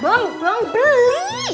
bang bang beli